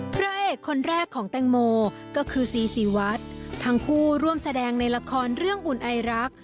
พระเอกคนแรกของแตงโมก็คือซีซีวัดทั้งคู่ร่วมแสดงในละครเรื่องอุ่นไอรัก